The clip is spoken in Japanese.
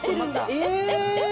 え！